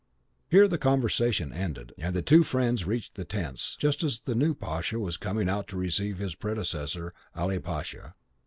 Here the conversation ended, and the two friends reached the tents, just as the new pasha was coming out to receive his predecessor, Ali Pasha.